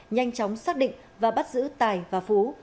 nhanh chóng xác định và bắt giữ tài và phú